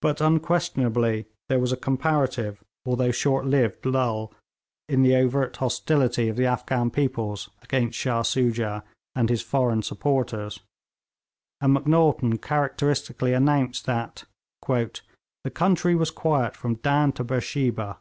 But unquestionably there was a comparative although short lived lull in the overt hostility of the Afghan peoples against Shah Soojah and his foreign supporters; and Macnaghten characteristically announced that 'the country was quiet from Dan to Beersheba.'